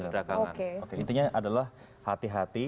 belakangan oke intinya adalah hati hati